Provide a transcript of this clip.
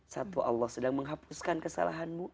satu allah sedang menghapuskan kesalahanmu